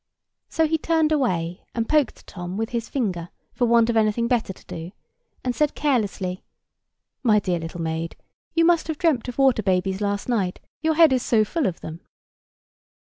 So he turned away and poked Tom with his finger, for want of anything better to do; and said carelessly, "My dear little maid, you must have dreamt of water babies last night, your head is so full of them."